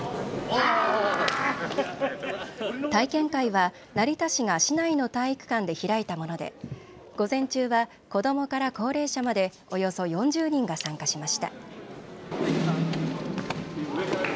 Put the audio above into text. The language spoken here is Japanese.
体験会は成田市が市内の体育館で開いたもので午前中は子どもから高齢者までおよそ４０人が参加しました。